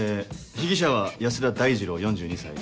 被疑者は安田大二郎４２歳。